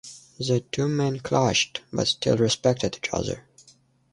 The two men clashed, but still respected each other.